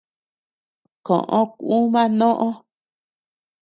Koʼö kuuma noʼö.